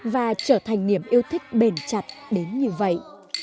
và trở thành niềm yêu thích bền chặt đến như vậy